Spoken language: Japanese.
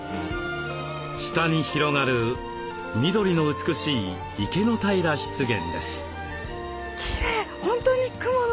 下に広がる緑の美しい池の平湿原です。